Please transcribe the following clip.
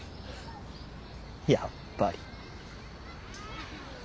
やっぱり。